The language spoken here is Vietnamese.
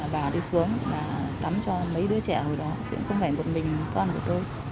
bà đi xuống bà tắm cho mấy đứa trẻ hồi đó chứ không phải một mình con của tôi